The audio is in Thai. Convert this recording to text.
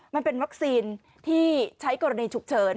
มันเป็นวัคซีนที่ใช้กรณีฉุกเฉิน